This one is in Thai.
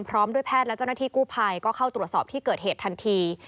พร้อมด้วยแพทย์และเจ้าหน้าที่กู้ภัยก็เข้าตรวจสอบที่เกิดเหตุทันที